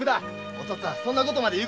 お父っつぁんそんなことまで。